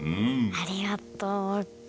ありがとうモク。